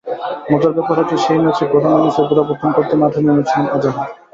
মজার ব্যাপার হচ্ছে, সেই ম্যাচেই প্রথম ইনিংসের গোড়াপত্তন করতে মাঠে নেমেছিলেন আজহার।